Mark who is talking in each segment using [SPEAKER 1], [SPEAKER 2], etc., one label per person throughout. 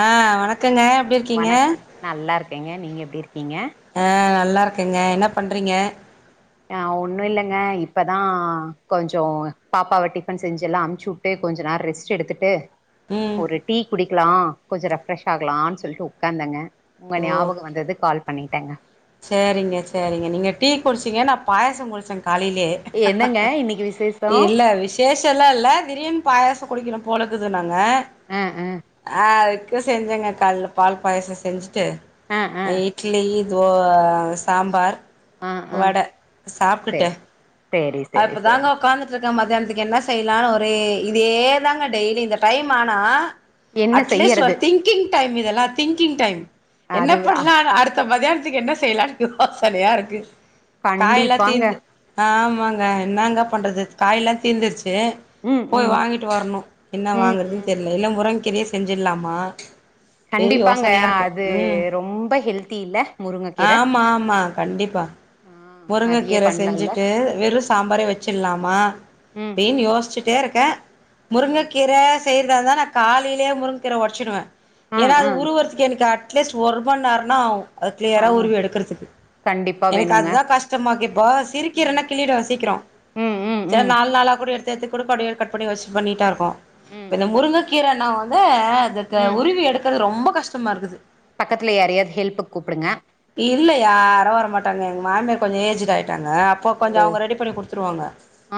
[SPEAKER 1] ஆ வணக்கங்க இருக்கீங்க
[SPEAKER 2] வணக் நல்லா இருக்கேங்க நீங்க எப்டி இருக்கீங்க
[SPEAKER 1] ஆ நல்லாருக்குங்க என்ன பண்றீங்க
[SPEAKER 2] ஆ ஒன்னு இல்லைங்க இப்பதா கொஞ்சோ பாப்பாவ டிஃபன் செஞ்சு எல்லா அம்ச்சு உட்டு கொஞ்ச நேர ரெஸ்ட் எடுத்துட்டு
[SPEAKER 1] ம்
[SPEAKER 2] ஒரு டீ குடிக்கலா கொஞ்ச ரெஃப்ரெஷ் ஆகலானு சொல்ட்டு உக்காந்தங்க உங்க
[SPEAKER 1] ஓ
[SPEAKER 2] ஞாபகம் வந்துது கால் பண்ணிட்டேங்க
[SPEAKER 1] சேரிங்க சேரிங்க நீங்க டீ குடிச்சிங்க நா பாயசோ குடிச்ச காலைலே
[SPEAKER 2] என்னங்க இன்னைக்கு விசேஷோ
[SPEAKER 1] விசேஷ ல்லா இல்ல திடீர்னு பாயச குடிக்கணு போலக்குதுனாங்க
[SPEAKER 2] அ அ
[SPEAKER 1] அ அதுக்கு செஞ்சேங்க கால்ல பால் பாயசோ செஞ்சுட்டு
[SPEAKER 2] ஆ ஆ
[SPEAKER 1] இட்லி தோ சாம்பார்
[SPEAKER 2] ஆ ஆ
[SPEAKER 1] வட
[SPEAKER 2] சே
[SPEAKER 1] சாப்ட்டுட்டு
[SPEAKER 2] சேரி சேரி
[SPEAKER 1] அப்பதாங்க
[SPEAKER 2] சேரி
[SPEAKER 1] உக்காந்துட்டுருக்க மதியானத்துக்கு என்ன செய்யலானு ஒரே இதே தாங்க டெய்லி இந்த டைம் ஆனா
[SPEAKER 2] என்ன
[SPEAKER 1] அட்லீஸ்ட் ஒரு
[SPEAKER 2] செய்யறது
[SPEAKER 1] திங்கிங் டைம் இதெல்லா திங்கிங் டைம் என்ன
[SPEAKER 2] அது அ
[SPEAKER 1] பண்லானு அடுத் த மதியானத்துக்கு என்ன செய்யலா யோசனையா இருக்கு காயெல்லா
[SPEAKER 2] கண்டிப்பாங்க
[SPEAKER 1] தீந்து ஆமாங்க என்னங்க
[SPEAKER 2] ம்
[SPEAKER 1] பண்றது காய் எல்லா தீந்துருச்சு
[SPEAKER 2] ம்
[SPEAKER 1] போய்
[SPEAKER 2] ம்
[SPEAKER 1] வாங்கிட்டு வரணு என்ன
[SPEAKER 2] ம்
[SPEAKER 1] வாங்குறதுன்னு
[SPEAKER 2] ம்
[SPEAKER 1] தெரில்ல இல்ல முரங்கங்கீரியே செஞ்சிடலாமா பெரிய
[SPEAKER 2] கண்டிப்பாங்க
[SPEAKER 1] யோசனையா இருக்கு
[SPEAKER 2] அது
[SPEAKER 1] ம்
[SPEAKER 2] ரொம்ப ஹெல்தி இல்ல முருங்கக்கீர
[SPEAKER 1] ஆமா ஆமா கண்டிப்பா
[SPEAKER 2] ஆ அதையே
[SPEAKER 1] முருங்கக்கீர
[SPEAKER 2] பண்லால்ல
[SPEAKER 1] செஞ்சுட்டு வெறு
[SPEAKER 2] ம்
[SPEAKER 1] சாம்பாரே வச் சிடலாமா
[SPEAKER 2] ம்
[SPEAKER 1] அப்டின்னு யோசிச்சுட்டே இருக்கே
[SPEAKER 2] ம்
[SPEAKER 1] முருங்கக்கீர செய்றதா இருந்தா நா காலையிலே முருங்ககீர ஒடச்சிடுவே
[SPEAKER 2] ஆ
[SPEAKER 1] ஏன்னா
[SPEAKER 2] ஆ
[SPEAKER 1] அது உருவுறது எனக்கு அட்லீஸ்ட் ஒரு மணி நேரம்ன்னா ஆவு அத
[SPEAKER 2] ஆ
[SPEAKER 1] கிளியரா உருவி எடுக்கறதுக்கு
[SPEAKER 2] கண்டிப்பா
[SPEAKER 1] எனக்கு
[SPEAKER 2] வேணுங்க
[SPEAKER 1] அதுதா கஷ்டமாக்கு இப்போ சிறு
[SPEAKER 2] ம்
[SPEAKER 1] கீரனா கிள்ளிடுவே சீக்கிரோ
[SPEAKER 2] ம் ம்
[SPEAKER 1] சேர்
[SPEAKER 2] ம்
[SPEAKER 1] நாலு நாலா கூட எடு சேத்துகூட படி கட் பண்ணி வச் நீட்டாருக்கு
[SPEAKER 2] ம்
[SPEAKER 1] இப்ப இந்த
[SPEAKER 2] ம்
[SPEAKER 1] முருங்கக்கீரன்னாவே இதக
[SPEAKER 2] ம்
[SPEAKER 1] உருவி எடுக்கரது ரொம்ப கஷ்டமா இருக்குது
[SPEAKER 2] பக்கத்துல யாரையாவது ஹெல்ப்புக்கு கூப்டுங்க
[SPEAKER 1] இல்ல யாரு வரமாட்டாங்க எங்க மாமியாரு கொஞ்சோ ஏஜ்டு ஆயிட்டாங்க அப்போ கொஞ்சோ
[SPEAKER 2] ஓ
[SPEAKER 1] அவங்க ரெடி பண்ணி கொடுத்துருவாங்க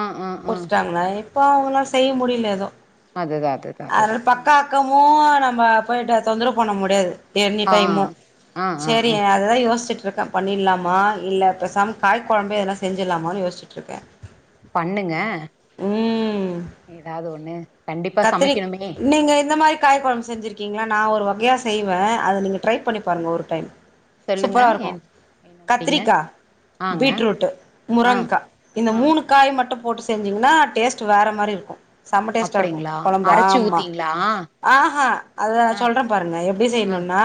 [SPEAKER 2] ஆ ஆ ஆ
[SPEAKER 1] முட்ச்சட்டாங்களா இப்போ அவங்களால செய்ய முடியல ஏது
[SPEAKER 2] அதுதா அதுதா அதுதா
[SPEAKER 1] அதனால பக்கா பக்கமு நம்ம போய்ட்டு தொந்தரவு பண்ண முடியாது எனி
[SPEAKER 2] ஆ
[SPEAKER 1] டைமு
[SPEAKER 2] ஆ ஆ
[SPEAKER 1] சேரி
[SPEAKER 2] ஆ
[SPEAKER 1] அதா யோசிச்சிட்டு இருக்கே பண்ணிட்லாமா இல்ல பேசாம காய் கொழம்பு எதுனா செஞ்சிரலாமான்னு யோசிச்சிட்ருக்க
[SPEAKER 2] பண்ணுங்க ஏதாவது ஒண்ணு கண்டிப்பா
[SPEAKER 1] கத்திரிக்
[SPEAKER 2] சமைக்கணுமே
[SPEAKER 1] நீங்க இந்த மாரி காய் கொழம்பு செஞ்சிருக்கீங்களா நா ஒரு வகையா செய்வே அது நீங்க ட்ரை பண்ணி பாருங்க ஒரு டைம்
[SPEAKER 2] சொல்லுங்க
[SPEAKER 1] சூப்பரா இருக்கு
[SPEAKER 2] என் என்ன மாறீங்க
[SPEAKER 1] கத்திரிக்கா
[SPEAKER 2] ஆங்க
[SPEAKER 1] பீட்ரூட்டு
[SPEAKER 2] ஆ
[SPEAKER 1] முரங்கா இந்த
[SPEAKER 2] ஆ
[SPEAKER 1] மூணு காய் மட்டும் போட்டு செஞ்சிங்ன்னா டேஸ்ட் வேற மாரி இருக்கு செம்ம டேஸ்ட்டா இருக்கு
[SPEAKER 2] அப்டிங்களா
[SPEAKER 1] கொழம்பு
[SPEAKER 2] அரச்சு
[SPEAKER 1] ஆமா
[SPEAKER 2] ஊத்தீங்களா
[SPEAKER 1] ஆஹா அத
[SPEAKER 2] ஆ
[SPEAKER 1] சொல்றே பாருங்க எப்டி
[SPEAKER 2] ஆ
[SPEAKER 1] செய்யணும்னா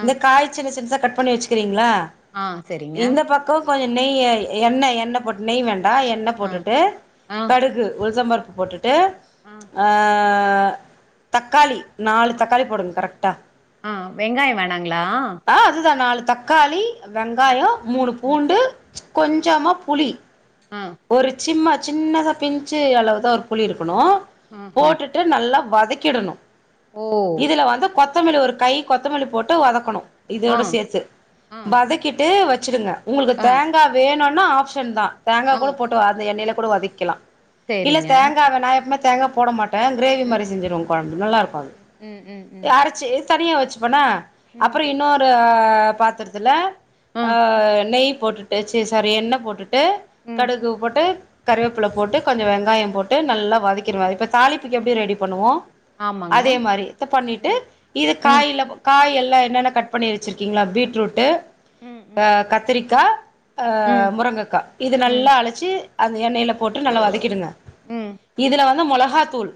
[SPEAKER 2] ஆ
[SPEAKER 1] இந்த க காய் சின்ன சின்னதா கட் பண்ணி வச்சுக்கிறீங்களா
[SPEAKER 2] ஆ சரிங்க
[SPEAKER 1] இந்த பக் கோ கொஞ்சோ நெய் எண்ணெ எண்ண போட்டு நெய் வேண்டா என்ணெ
[SPEAKER 2] ஆ
[SPEAKER 1] போட்டுட்டு
[SPEAKER 2] ஆ
[SPEAKER 1] கடுகு உள்சம்பருப்பு போட்டுட்டு ஆ தக்காளி நாலு தக்காளி போடுங்க கரெக்டா
[SPEAKER 2] ஆ வெங்காய வேணாங்களா
[SPEAKER 1] ஆ அதுதா நாலு தக்காளி
[SPEAKER 2] ம்
[SPEAKER 1] வெங்காயோ மூணு பூண்டு
[SPEAKER 2] ஆ
[SPEAKER 1] கொஞ்சமா புளி
[SPEAKER 2] ஆ
[SPEAKER 1] ஒரு சிம்மா சின்னதா பிஞ்சு அளவு தான் ஒரு புளி இருக்குணு
[SPEAKER 2] ஆ ஆ
[SPEAKER 1] போட்டு ட்டு நல்லா வதக்கிடணு
[SPEAKER 2] ஓ
[SPEAKER 1] இதுல வந்து கொத் கொத்தமல்லி ஒரு கை கொத்தமல்லி போட்டு வதக்கணு
[SPEAKER 2] ஆ
[SPEAKER 1] இதோட சேத்து
[SPEAKER 2] ஆ
[SPEAKER 1] வதக்கிட்டு வச்சுடுங்க உங்களுக்கு
[SPEAKER 2] ஆ
[SPEAKER 1] தேங்கா வேணும்னா ஆப்ஷன் தா தேங்கா
[SPEAKER 2] ஆ
[SPEAKER 1] கூட போட்டு அந்த எண்ணெயில கூட வதக்கிலா இல்ல
[SPEAKER 2] சரிங்க
[SPEAKER 1] தேங்கா வேணா நா எப்பமே தேங்கா போட மாட்டே கிரேவி
[SPEAKER 2] ம்
[SPEAKER 1] மாரி செஞ்சுருவ கொழம்பு நல்லாருக்கு அது
[SPEAKER 2] ம் ம் ம்
[SPEAKER 1] அரைச்சி தனியா வச்சுப்பேனா
[SPEAKER 2] ம் ம்
[SPEAKER 1] அப்புரோ இன்னொரு பாத்துரத்தில ஆ நெய் போட்டுட்டு சீ சாரி எண்ணெ போட்டு ட்டு
[SPEAKER 2] ம்
[SPEAKER 1] கடுகு போட்டு கருவேப்பில
[SPEAKER 2] ம்
[SPEAKER 1] போட்டு கொஞ்சோ வெங்காய போட்டு ட்டு நல்லா வதக்கிருவே இப்ப தாலிப்புக்கு எப்டி ரெடி பண்ணுவோ
[SPEAKER 2] ஆமாங்க
[SPEAKER 1] அதே மாரி இத பண்ணிட்டு
[SPEAKER 2] ம்
[SPEAKER 1] இது
[SPEAKER 2] ம்
[SPEAKER 1] காயில காய் எல்லா என்னென்ன கட் பண்ணி வச்சிருக்கிங்காளோ பீட்ரூட்டு
[SPEAKER 2] ம்
[SPEAKER 1] அ
[SPEAKER 2] ம்
[SPEAKER 1] கத்திரிக்கா அ
[SPEAKER 2] ம்
[SPEAKER 1] முருங்கக்கா இது
[SPEAKER 2] ம்
[SPEAKER 1] நல்லா அலசி அந்த எண்ணெயில போட்டு நல்லா வதக்கிடுங்க
[SPEAKER 2] ம்
[SPEAKER 1] இதுல வந்து மொளகா தூள்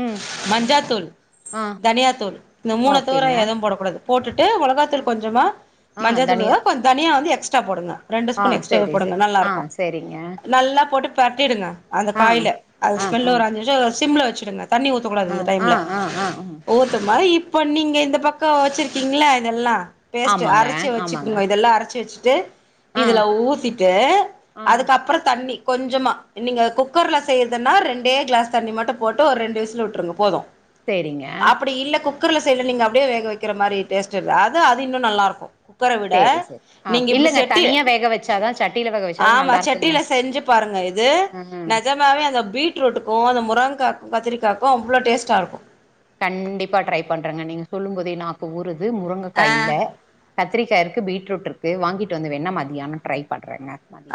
[SPEAKER 2] ம்
[SPEAKER 1] மஞ்சாத்தூள்
[SPEAKER 2] ஆ
[SPEAKER 1] தனியாத்தூள் இந்த மூணு தவர
[SPEAKER 2] ஓகேங்க
[SPEAKER 1] எதுவு போடக்கூடாது போட்டுட்டு
[SPEAKER 2] ஆ
[SPEAKER 1] மொளகாத்தூள் கொஞ்சமா
[SPEAKER 2] ஆ தனியா
[SPEAKER 1] மஞ்சாதத்தூள்த கொஞ்சோ தனியா
[SPEAKER 2] ம்
[SPEAKER 1] வந்து எஸ்ட்ரா போடுங்க ரெண்டு
[SPEAKER 2] ஆ
[SPEAKER 1] ஸ்பூன்
[SPEAKER 2] ம்.
[SPEAKER 1] எக்ஸ்ட்ராவே
[SPEAKER 2] சரி
[SPEAKER 1] போடுங்க
[SPEAKER 2] சரி
[SPEAKER 1] நல்லா
[SPEAKER 2] ஆ
[SPEAKER 1] இருக்கு
[SPEAKER 2] சரிங்க
[SPEAKER 1] நல்லா போட்டு பெரட்டிடுங்க அந்த
[SPEAKER 2] ஆ
[SPEAKER 1] காய்ல அது
[SPEAKER 2] ஆ ஆ
[SPEAKER 1] ஸ்மெல்ல ஒரு அஞ்சு நிமிஷம் சிம்ல வச்சிடுங்க தண்ணி
[SPEAKER 2] ஆ
[SPEAKER 1] ஊத்தக்கூடாது
[SPEAKER 2] ஆ
[SPEAKER 1] இந்த
[SPEAKER 2] ஆ
[SPEAKER 1] டைம்ல
[SPEAKER 2] ஆ ஆ ஆ.
[SPEAKER 1] ஊத்த மாரி இப்ப நீங்க இந்த பக்கோ வச்சிருக்கீங்களா இதெல்லாம் பேஸ்ட்டு
[SPEAKER 2] ஆமாங்க
[SPEAKER 1] அரைச்சி
[SPEAKER 2] ஆமாங்க.
[SPEAKER 1] வச்சிக்கோங்க இதெல்லா அரைச்சு வச்சுட்டு
[SPEAKER 2] ஆ
[SPEAKER 1] இதுல ஊத்திட்டு
[SPEAKER 2] ஆ
[SPEAKER 1] அதுக்கப்பறோ த தண்ணி கொஞ்சமாக நீங்க குக்கர்ல செய்யறதுன்னா ரெண்டே கிளாஸ் தண்ணி மட்டு போட்டு ஒரு ரெண்டு விசில் விட்டு்ருங்க போதும்
[SPEAKER 2] சேரிங்க
[SPEAKER 1] அப்டி இல்ல குக்கர்ல செய்யல நீங்க அப்டியே வேக வைக்கிற மாரி டேஸ்டுலா அது அது இன்னு நல்லா இருக்கு குக்கர விட
[SPEAKER 2] சரி, சரி. ஆ
[SPEAKER 1] நீங்க இப்டி
[SPEAKER 2] இல்லங்க
[SPEAKER 1] செட்டி
[SPEAKER 2] தனியா வேக வச்சாதா சட்டியில வேக வச்சாதா
[SPEAKER 1] ஆமா
[SPEAKER 2] நல்லா இருக்குங்க.
[SPEAKER 1] செட்டியில செஞ்சு பாருங்க இது நஜ
[SPEAKER 2] ம்
[SPEAKER 1] நிஜமாவே அந்த பீட்ரூட்டுக்கு அந்த முருங்காக்கு கத்திரிக்காய்க்கு அவ்ளோ டேஸ்ட்டா இருக்கு
[SPEAKER 2] கண்டிப்பா ட்ரை பண்றங்க நீங்க சொல்லு போதே நாக்கு ஊருது முருங்கக்கா
[SPEAKER 1] ஆஹ்
[SPEAKER 2] இல்ல கத்திரிக்காய் இருக்கு பீட்ரூட் இருக்கு வாங்கிட்டு வந்து வேன மதியானோ ட்ரை பண்ணுறேங்க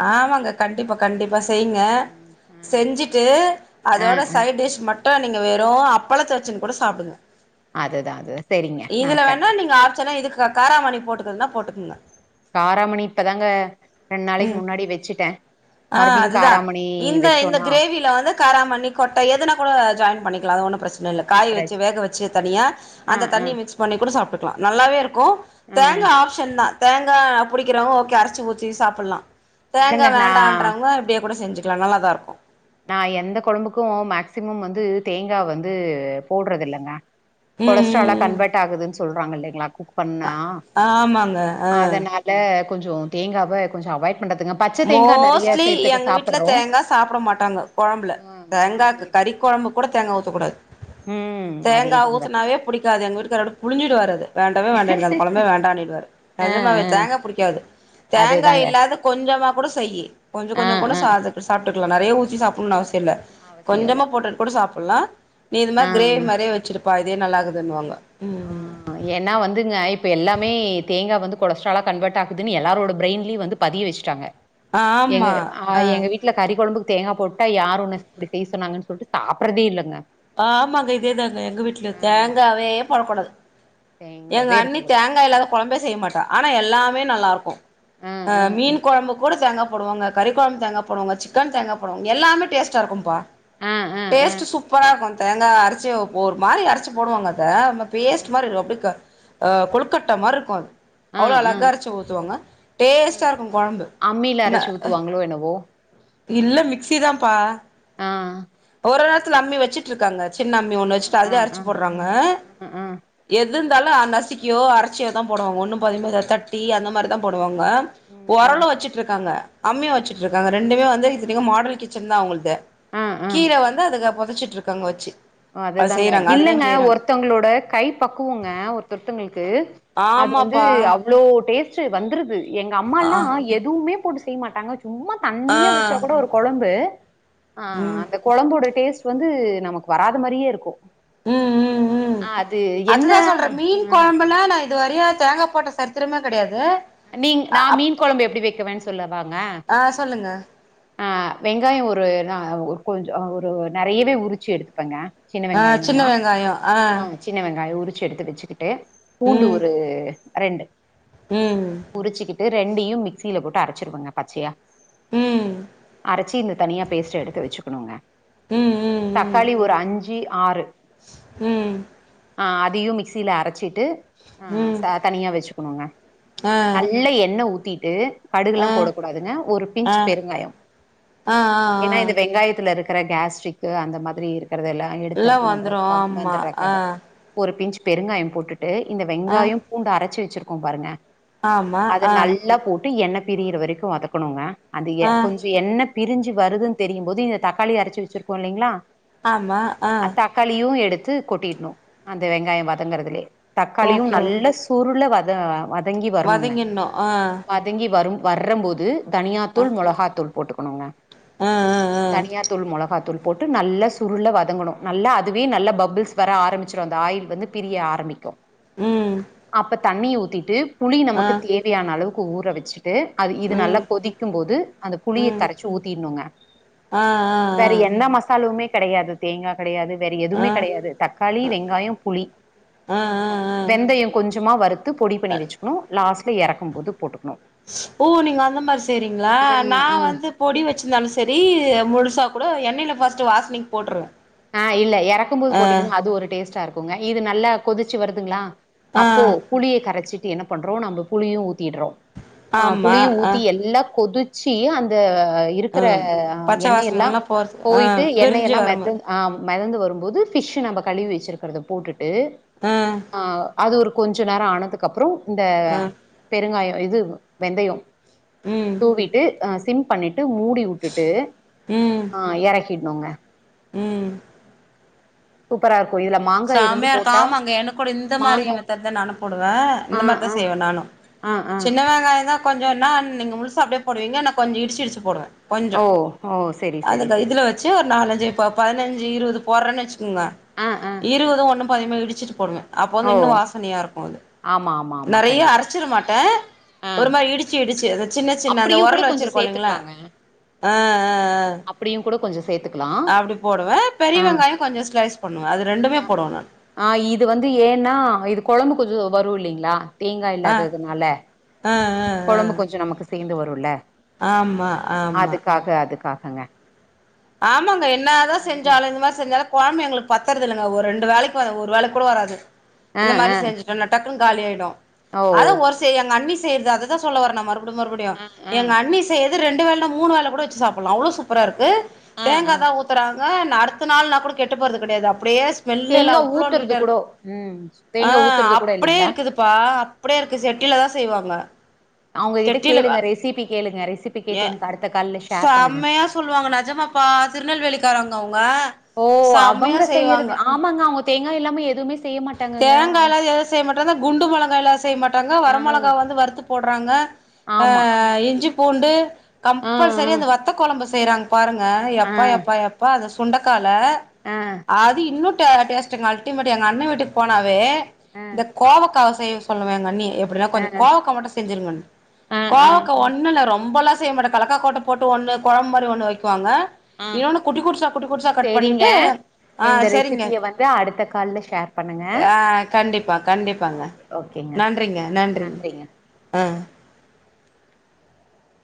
[SPEAKER 1] ஆமாங்க கண்டிப்பா கண்டிப்பா செய்ங்க
[SPEAKER 2] ம் ம்
[SPEAKER 1] செஞ்சுட்டு
[SPEAKER 2] ஆ
[SPEAKER 1] அதோட
[SPEAKER 2] ஆ
[SPEAKER 1] சைடிஷ் மட் டும் நீங்க வெறு‌ அப்பளத்த வச்சுட்டு கூட சாப்டுங்க
[SPEAKER 2] அதுதா அது சரிங்க. நா
[SPEAKER 1] இதுல வேணா
[SPEAKER 2] கண்டி
[SPEAKER 1] நீங்க ஆப்ஷன்ஸ் இதுக்கு காராமணி போட்டுக்குதுன்னா போட்டுக்கங்க
[SPEAKER 2] காராமணி இப்பதாங்க ரெண்டு நாளைக்கு முன்னாடி வச்சுட்டே‌
[SPEAKER 1] ஆ
[SPEAKER 2] மறுபடியு
[SPEAKER 1] அதுதா
[SPEAKER 2] காராமணி
[SPEAKER 1] இந்த இந்த
[SPEAKER 2] வச்சோனா
[SPEAKER 1] கிரேவில வந்து காராமணி கொட்ட எதுனா கூட ஜாயின் பண்ணிக்கலா அது ஒன்னு பிரச் சன இல்ல காய வச்சு
[SPEAKER 2] பிரச்
[SPEAKER 1] வேக வச்சு தனியா
[SPEAKER 2] ஆ
[SPEAKER 1] அந்த
[SPEAKER 2] ஆ
[SPEAKER 1] தண்ணிய மிக்ஸ் பண்ணி கூட சாப்ட்டுக் க்க நல்லாவே இருக்கும்
[SPEAKER 2] ஆ
[SPEAKER 1] தேங்காய் ஆப்ஷன் தா தேங்காய் பிடிக்கிறவங்க ஓகே அரைச்சி ஊத்தி சாப்படலாம் தேங்கா
[SPEAKER 2] இல்லங்க நா
[SPEAKER 1] வேண்டான்றவங்க இப்டியே கூட செஞ்சுக்கலாம் நல்லாதான் இருக்கும்
[SPEAKER 2] நா எந்த குழம்புக்கு மேக்ஸிமம் வந்து தேங்கா வந்து போடுறது இல்லைங்க
[SPEAKER 1] ம்
[SPEAKER 2] கொலஸ்ட்ராலா
[SPEAKER 1] ம் ம்
[SPEAKER 2] கன்வெர்ட் ஆகுதுன்னு சொல்றாங்க இல்லைங்களா குக் பண்ணா
[SPEAKER 1] ஆமாங்க ஆ
[SPEAKER 2] அதனால லே கொஞ்சம் தேங்காவ கொஞ்சோ அவாய்ட் பண்றதுங்க பச்ச தேங்காய் நறைய சேர்த்துக்கு சாப்டுறோம்
[SPEAKER 1] சாப்பட மாட்டாங்க குழம்புல தேங்காய
[SPEAKER 2] அதே
[SPEAKER 1] கறி குழம்பு கூட தேங்கா ஊத்தக்கூடாது
[SPEAKER 2] ம்
[SPEAKER 1] தேங்கா
[SPEAKER 2] அதேதாங்க
[SPEAKER 1] ஊத்தனாவே புடிக்காது எங்க வீட்டுக்காரோட புழஞ்சிடுவாரு அத வேண்டாவே வேண்ட அந்த குழம்பே வேண்டாயின்டிருவாரு
[SPEAKER 2] ஆ
[SPEAKER 1] நஜமா
[SPEAKER 2] ஆ
[SPEAKER 1] தேங்காய் புடிக்காது தேங்காய்
[SPEAKER 2] அதேதாங்க
[SPEAKER 1] இல்லா அதை கொஞ்சமாக கூட செய் கொஞ்சம்
[SPEAKER 2] ஆ
[SPEAKER 1] கொஞ்சம் கூட
[SPEAKER 2] ஆ
[SPEAKER 1] சா சாப்பிட்டுக்கலாம் நிறைய ஊத்தி சாப்பிடணுன்னு அவசியம் இல்ல
[SPEAKER 2] அவசியோ இல்ல
[SPEAKER 1] கொஞ்சமா போட்டுட்டு கூட சாப்பல்லாம் நீ இ
[SPEAKER 2] ஆ
[SPEAKER 1] மாரி கிரேவி
[SPEAKER 2] ஆ
[SPEAKER 1] மாறியே வச்சிருப் ப்பா இதே நல்லாகுதுன்னாங்கோ
[SPEAKER 2] ஆ, ஏன்னா வந்துங்க இப்ப எல்லாமே தேங்கா வந்து கொலஸ்ட்ராலா கன்வெர்ட் ஆக்குதுன்னு எல்லாரோட பிரைன்லியு வந்து பதிய வச்சுட்டாங்க எங்க
[SPEAKER 1] ஆமா
[SPEAKER 2] ஆ எங்க வீட்டு வீட்ல கறி குழம்புக்கு தேங்காய போட்டா யாரு ஒன்ன இப்டி செய்ய சொன்னாங்கன்ன சொல்ட்டு சாப்படறதே இல்லைங்க
[SPEAKER 1] ஆமாங்க இதேதாங்க எங்க வீட்ல தேங்காவைவே போடக்கூடாது எங்க
[SPEAKER 2] தேங்காவே இருக்க
[SPEAKER 1] அண்ணி
[SPEAKER 2] கூடாது
[SPEAKER 1] தேங்காய் இல்லாம குழம்பே செய்ய மாட்டா ஆனா எல்லாமே நல்லா இருக்கு
[SPEAKER 2] ஆ
[SPEAKER 1] அ
[SPEAKER 2] ஆ
[SPEAKER 1] மீன் குழம்பு கூட தேங்க போடுவாங்க கறி குழம்பு தேங்க போடுவங்க சிக்கன் தேங்காய போடுவாங்க எல்லாமே டேஸ்டா இருக்கும்பா
[SPEAKER 2] ஆ ஆ ஆ
[SPEAKER 1] டேஸ்ட் சூப்பரா இருக்கு தேங்கா அரிச்சி ஒரு மாதிரி அரைச்சி
[SPEAKER 2] ஆ
[SPEAKER 1] போடுவாங்க அத நம்ம
[SPEAKER 2] ஆ
[SPEAKER 1] பேஸ்ட் மாதிரி இருக்கு அப்டி கொழுக்கட்ட மாதிரி இருக்கு அது
[SPEAKER 2] ஆ
[SPEAKER 1] அவ்ளோ
[SPEAKER 2] ஆ ஆ
[SPEAKER 1] அழகா அரைச்சு ஊத்துவாங்க டேஸ்ட்டா இருக்கு கொழம்பு
[SPEAKER 2] டோ என்னவோ
[SPEAKER 1] இல்ல மிக்சி தான்ப்பா
[SPEAKER 2] ஆ
[SPEAKER 1] ஒரு நேரத்தி அம்மி வச்சிடட்டுருக்காங்க சின்ன அம்மி ஒன்னு
[SPEAKER 2] ஆ
[SPEAKER 1] வச்சுட்டு
[SPEAKER 2] ஆ
[SPEAKER 1] அதலே அரச்சி
[SPEAKER 2] ஆ
[SPEAKER 1] போடுறாங்க
[SPEAKER 2] ஆ ஆ
[SPEAKER 1] எது இருந்தாலு நசுிக்கியோ அரைச்சியோ தா போடுவாங்க ஒன்னு பதி தட்டி அந்த மாதிரிதா போடுவாங்க
[SPEAKER 2] ம் ம்
[SPEAKER 1] உரளு வச்சுட்டு இருக்காங்க அம்மி வச்சுட்டு இருக்காங்க ரெண்டுமே வநது மாடல் கிச்சன் தா அவங்களுக்கு
[SPEAKER 2] ஆ ஆ
[SPEAKER 1] கீழவந்து அதுக்கு புதைச்சிட்டு இருக்காங்க வச்சு அது
[SPEAKER 2] அதுதாங்க
[SPEAKER 1] செய்றாங்க அதுலயு
[SPEAKER 2] இல்லங்க
[SPEAKER 1] செய்றாங்க
[SPEAKER 2] ஒரு த்தவங்களோட கை பக்குவங்க ஒருத்தொத்தங்களுக்கு அது வந்து
[SPEAKER 1] ஆமாப்பா
[SPEAKER 2] அவ் இவ்ளோ டேஸ்ட் வந்துருது எங்க அம்மா
[SPEAKER 1] ஆ
[SPEAKER 2] எல்லா எதுவுமே போட்டு செய்ய மாட்டாங்க சும்மா
[SPEAKER 1] ஆ
[SPEAKER 2] தண்ணியா வச்சா கூட ஒரு கொழம்பு ஆ அந்த கொழம்போட டேஸ்ட் இது வந்து நமக்கு வராத மாதிரியே இருக்கும்
[SPEAKER 1] ம் ம் ம் அதுதா சொல்றே மீன் கொழம்புல்லா நா இது வரைய தேங்கா போட்ட சரித்திரமே கிடையாது
[SPEAKER 2] நீங் நா மீன் கொழம்பு எப்டி வைக்கவேன்னு சொல்ல வாங்க
[SPEAKER 1] ஆ சொல்லுங்க
[SPEAKER 2] ஆ வெங்காயோ ஒரு நா கொஞ்சோ ஒரு நிறையவே உரிச்சு எடுத்துப்பேங்க சின்ன
[SPEAKER 1] ஆ சின்ன
[SPEAKER 2] வெங்காயோந்தா
[SPEAKER 1] வெங்காய ஆ
[SPEAKER 2] சின்ன வெங்காயோ உரிச்சு எடுத்து வச்சுக்கிட்டு பூண்டு
[SPEAKER 1] ம்
[SPEAKER 2] ஒரு ரெண்டு
[SPEAKER 1] ம்
[SPEAKER 2] உறிச்சிக்கிட்டு ரெண்டையு மிக்சியில போட்டு அரைச்சிருவங்க பச்சையா
[SPEAKER 1] ம்
[SPEAKER 2] அரச்சி இந்த தனியா பேஸ்ட்ட எடுத்து வச்சுக்கணுங்க
[SPEAKER 1] ம் ம்
[SPEAKER 2] தக்காளி ஒரு அஞ்சு ஆறு
[SPEAKER 1] ம்
[SPEAKER 2] ஆ அதையு மிக்சியில அரைச்சிட்டு ஆ
[SPEAKER 1] ம்
[SPEAKER 2] ச தனியா வச்சுக்கணுங்க
[SPEAKER 1] ஆ
[SPEAKER 2] நல்லா எண்ணெ ஊத்திட்டு கடுகுலா
[SPEAKER 1] ஆ
[SPEAKER 2] போடக்கூடாதுங்க ஒரு
[SPEAKER 1] ஆ ஆ
[SPEAKER 2] பிஞ்ச் பெருங்காயோ
[SPEAKER 1] ஆ ஆ
[SPEAKER 2] ஏன்னா இந்த வெங்காயத்துல இருக்கிற கேஸ்ட்ரிக்கு அந்த மாதிரி இருக்கிறது எல்லா
[SPEAKER 1] எல்லா வந்துரு ஆமா ஆ
[SPEAKER 2] ஒரு பிஞ்ச் பெருங்காயோ போட்டுட்டு இந்த
[SPEAKER 1] ஆ
[SPEAKER 2] வெங்காயோ பூண்டு அரைச்சு வச்சிருக்கோ பாருங்க
[SPEAKER 1] ஆமா
[SPEAKER 2] அத
[SPEAKER 1] ஆ
[SPEAKER 2] நல்லா போட்டு எண்ணெய பிரியற வரைக்கு வதக்கணுங்க அந்த எ
[SPEAKER 1] ஆ
[SPEAKER 2] எண்ண பிரி்ஞ்சு வருதுன்னு தெரியும் போது இந்த தக்காளி அரைச்சு வச்சிருக்கோ இல்லைங்களா இல்லைங்ளா
[SPEAKER 1] ஆமா அ
[SPEAKER 2] தக்காளியு எடுத்து கொட்டிடணு அந்த வெங்காயோ வதங்குறதுலே தக்காளியு
[SPEAKER 1] ஓகே ஓகே
[SPEAKER 2] நல்ல பொருள்ள வத வதங்கி வரணுங்க
[SPEAKER 1] வதங்கிட்ணு ஆ
[SPEAKER 2] வதங்கி வரு வரர்ற போது தனியா
[SPEAKER 1] ஆ
[SPEAKER 2] தூள் மொளகாத்தூள் போட்டுக்கணுங்க
[SPEAKER 1] ஆ ஆ ஆ
[SPEAKER 2] தனியா தூள் மொளகா தூள் போட்டு நல்லா சுருள்ள வதங்கணு நல்லா அதுவே நல்ல பபுள்ஸ் வர ஆரம்பிச்சரு அந்த ஆயில் வந்து பிரிய ஆரம்பிக்கு
[SPEAKER 1] ம்
[SPEAKER 2] அப்ப தண்ணி ஊத்திட்டு புளி
[SPEAKER 1] ஆ
[SPEAKER 2] நமக்கு தேவையான அளவுக்கு ஊற வச்சுட்டு அது இது நல்லா
[SPEAKER 1] ம்
[SPEAKER 2] கொதிக்கும் போது புளிய
[SPEAKER 1] ம்
[SPEAKER 2] கரைச்சு ஊத்திடணுங்க
[SPEAKER 1] ஆ ஆ ஆ
[SPEAKER 2] வேற என்ன மசாலவுமே கெடையாது தேங்கா கெடையாது வேற
[SPEAKER 1] ஆ
[SPEAKER 2] எதுவுமே கெடையாது தக்காளி வெங்காயம் புளி
[SPEAKER 1] ஆ ஆ ஆ
[SPEAKER 2] வெந்தயம் கொஞ்சமா வறுத்து பொடி பண்ணி வச்சுக்கணு லாஸ்ட்ல இறக்கு போது போட்டுக்கணு
[SPEAKER 1] ஓ நீங்க அந்த மாரி செயிரிங்களா
[SPEAKER 2] ஆ
[SPEAKER 1] நா
[SPEAKER 2] ஆ
[SPEAKER 1] வந்து பொடி வச்சுருந்தாலு செரி முழுசாக கூட எண்ணெயில் ஃபஸ்ட்டு வாசனைக்கு போட்டுருவேன்
[SPEAKER 2] ஆ இல்ல எறக்கு போது போட்டீங்கன்னா அது ஒரு டேஸ்ட்டா இருக்குங்க இது நல்லா கொதிச்சு வருதுங்களா
[SPEAKER 1] ஆ
[SPEAKER 2] அப்போ புளியை கரைச்சிட்டு என்ன பண்றோ நம்ம புளியு ஊத்திடுறோ ஆ
[SPEAKER 1] ஆமா
[SPEAKER 2] புளியு
[SPEAKER 1] ஆ
[SPEAKER 2] ஊத்தி எல்லா கொதிச்சு அந்த இருக்கிற
[SPEAKER 1] ம் பச்ச
[SPEAKER 2] எண்ணெய எல்லா
[SPEAKER 1] வாசனல்லா போறது ஆ
[SPEAKER 2] போயிட்டு எண்ணெய்
[SPEAKER 1] பிரிஞ்சு
[SPEAKER 2] எல்லா
[SPEAKER 1] வரும்போது
[SPEAKER 2] ஆ மெதந்து வரும்போது ஃபிஷ் நம்ம கழுவி வச்சிருக்கறத போட்டுட்டு ஆ அது ஒரு கொஞ்ச நேரம் ஆனதுக்கு அப்புறோ இந்த
[SPEAKER 1] ஆ
[SPEAKER 2] பெருங்காயம் இது வெந்தயம்
[SPEAKER 1] ம்
[SPEAKER 2] தூவிட்டு ஆ சிம் பண்ணிட்டு மூடி வுட்டுட்டு
[SPEAKER 1] ம்
[SPEAKER 2] ஆ எறக்கிடனுங்க
[SPEAKER 1] ம்
[SPEAKER 2] சூப்பரா இருக்கு இதுல மாங்கா இருந்து
[SPEAKER 1] சாம்மையா இருக்கு
[SPEAKER 2] போட்டா
[SPEAKER 1] ஆமாங்க என கூட இந்த மாதிரி
[SPEAKER 2] மாங்கா
[SPEAKER 1] மெத்தட்டு தா நானு போடுவே
[SPEAKER 2] ஆ
[SPEAKER 1] இந்த மாரி தா
[SPEAKER 2] ஆ
[SPEAKER 1] செய்வே நானு
[SPEAKER 2] ஆ ஆ
[SPEAKER 1] சின்ன வெங்காயம் தா கொஞ்சோ நா நீங்க முழுச அப்டியே போடுவீங்க நா கொஞ்சோ இடிச்சியிடிச்சி போடுவே கொஞ்சோ
[SPEAKER 2] ஓ ஓ செரி செரி
[SPEAKER 1] அதுல
[SPEAKER 2] செரி
[SPEAKER 1] இதுல வச்சி ஒரு நாலஞ்சு இப்போ பதினஞ்சு இருபது போடுறேன்னு வச்சுக்கோங்கே இருவது ஒன்னு பாதிபாதி இடிச்சிட்டு போடுவே அப்போ வந்து
[SPEAKER 2] ஓ
[SPEAKER 1] இன்னு வாசனையா இருக்கு அது
[SPEAKER 2] ஆமா ஆமா ஆமா
[SPEAKER 1] நெறையா
[SPEAKER 2] கண்டிப்பா
[SPEAKER 1] அரைச்சிட மாட்டே
[SPEAKER 2] ஆ
[SPEAKER 1] ஒரு மாரி இடிச்சி இடிச்சி அத சின்ன சின்ன அந்த
[SPEAKER 2] அப்டியு கூட
[SPEAKER 1] உரல
[SPEAKER 2] கொஞ்சோ
[SPEAKER 1] வச்சுருக்கோ இல்லைங்களா
[SPEAKER 2] சேத்துக்கலாங்க
[SPEAKER 1] ஆ ஆ ஆ
[SPEAKER 2] அப்டியு கூட கொஞ்சோ சேத்து
[SPEAKER 1] அப்டி போடுவே பெரிய வெங்காயம் கொஞ்சோ ஸ்லைஸ் பண்ணுவே அது ரெண்டுமே போடுவே நானு
[SPEAKER 2] ஆ இது வந்து ஏன்னா இது குழம்பு கொஞ்சோ வரு இல்லைங்களா தேங்கா
[SPEAKER 1] ஆ
[SPEAKER 2] இல்லாததுனால
[SPEAKER 1] ஆ ஆ
[SPEAKER 2] குழம்பு கொஞ்சோ நமக்கு சேந்து வரும்ல
[SPEAKER 1] ஆ ஆமா ஆமா
[SPEAKER 2] அதுக்காக அதுக்காகங்க
[SPEAKER 1] ஆமாங்கே என்னதா
[SPEAKER 2] ம்
[SPEAKER 1] செஞ்சாலு இந்த மாரி செஞ்சாலு குழம்பு எங்களுக்கு பத்தரது இல்லங்கே ஒரு ரெண்டு வேலைக்கு வரு ஒரு வேலைக்கி கூட வராது
[SPEAKER 2] ஆ
[SPEAKER 1] இந்த மாதிரி செஞ்ச
[SPEAKER 2] ஆ
[SPEAKER 1] இதுனென்னே டக்குனு காலி ஆயிடு
[SPEAKER 2] ஓ
[SPEAKER 1] அத ஒர்சேரி எங்க அண்ணி செய்றது அததா சொல்ல வர நா மறுபடியு மறுபடி
[SPEAKER 2] ஆ ஆ
[SPEAKER 1] மறுபடியு எங்க அண்ணி செய்யுறது ரெண்டு வேள இல்ல மூணு வேள கூட வச்சி சாப்பிடலா அவ்ளோ சூப்பரா இருக்கு
[SPEAKER 2] ஆ ஆ
[SPEAKER 1] தேங்காதா ஊத்துறாங்க நா அடுத்த நாள்னா கூட கெட்டு போறது கெடையாது அப்டியே ஸ்மெல்லே இல்ல
[SPEAKER 2] தேங்கா
[SPEAKER 1] அவ்ளோ
[SPEAKER 2] ஊத்துறது
[SPEAKER 1] நீட்டா
[SPEAKER 2] கூட
[SPEAKER 1] இருக்கு
[SPEAKER 2] ம்
[SPEAKER 1] ஆ
[SPEAKER 2] தேங்கா ஊத்துறது கூட
[SPEAKER 1] அப்டியே
[SPEAKER 2] இல்லைங்களா
[SPEAKER 1] இருக்குது ப்பா அப்பிடியே இருக்கு செட்டியில தா செய்வாங்க
[SPEAKER 2] அவுங்ககிட்ட
[SPEAKER 1] செட்டில வா
[SPEAKER 2] கேளுங்க ரெசிபி கேளுங்க ரெசிபி
[SPEAKER 1] ஏ
[SPEAKER 2] கேட்டு எனக்கு அடுத்த கால்ல ஷேர் பண்ணுங்க
[SPEAKER 1] செம்மையா சொல்லுவாங்க நேஜமாப்பா ஆ திருநெல்வேலிக்காரங்க அவங்க
[SPEAKER 2] ஓ
[SPEAKER 1] செம்மையா
[SPEAKER 2] அவங்க செய்யறது
[SPEAKER 1] செய்வாங்க
[SPEAKER 2] ஆமாங்க அவங்கா தேங்கா இல்லாம எதுவுமே செய்ய மாட்
[SPEAKER 1] தேங்காயில்லாது எதுவு செய்ய மாட்டாங்க குண்டு மொளகாயில்லாது செய்ய மாட்டாங்க வர
[SPEAKER 2] ஆ
[SPEAKER 1] மொளகாய் வந்து வருறுத்து போடுறாங்க ஆ
[SPEAKER 2] ஆமா
[SPEAKER 1] இஞ்சி பூண்டு
[SPEAKER 2] ஆ ஆ
[SPEAKER 1] கம்பல்சரி அந்த வத்த கொழம்பு செய்யறாங்க பாருங்க
[SPEAKER 2] ஆ
[SPEAKER 1] எப்பா எப்பா எப்பா அது சுண்டைக்கல
[SPEAKER 2] ஆ
[SPEAKER 1] அது இன்னு டே டேஸ்ட் ங்க அல்டிமேட் எங்க அண்ணன் வீட்டுக்கு போனாவே இந்த கோவக்கவ செய்ய சொல்லுவே எங்க அண்ணியே எப் அப்டின்னா கொஞ்சோ கோவக்கா மட்டு செஞ்சிருங்கனு
[SPEAKER 2] ஆ ஆ ஆ
[SPEAKER 1] கோவக்க ஒண்ணு இல்ல ரொம்பெல்லா செய்ய மாட்டே கலக்காக்கோட்டை போட்டு ஒண்ணு கொழம்பு மாரி ஒண்ணு வைகுவாங்க
[SPEAKER 2] ஆ.
[SPEAKER 1] இன்னொன்னு குட்டி குட்டிச்சா குட்டி குட்டிச்சா கட் பண்ணிட்டு ஆ செரிங்க
[SPEAKER 2] இன்னு அடுத்த கால ஷேர் பண்ணுங்க
[SPEAKER 1] ஆ கண்டிப்பா கண்டிப்பாங்க
[SPEAKER 2] ஓகே ஓகேங்க
[SPEAKER 1] நன்றிங்க நன்றிங்க ஆ